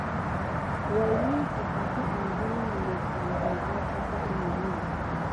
Way mi kədə di əŋgənən ninek vandi? Maw aka ənani.